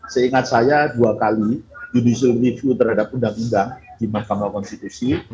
seingat saya dua kali judicial review terhadap undang undang di mahkamah konstitusi